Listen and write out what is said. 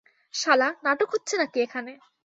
শালা, নাটক হচ্ছে নাকি এখানে?